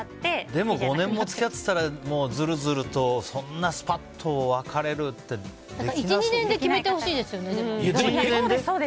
でも５年も付き合ってたらずるずるとそんなスパッと別れるってできなそう。